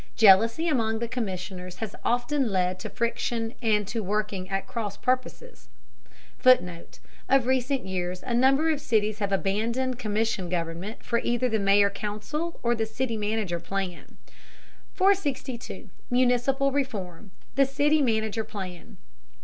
Jealousy among the commissioners has often led to friction and to working at cross purposes. [Footnote: Of recent years a number of cities have abandoned commission government for either the mayor council or the city manager plan.] 462. MUNICIPAL REFORM: THE CITY MANAGER PLAN.